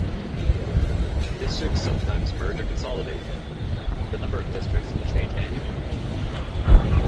Districts sometimes merge or consolidate; the number of districts can change annually.